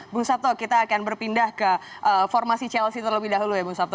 bung sabto kita akan berpindah ke formasi chelsea terlebih dahulu ya bu sabto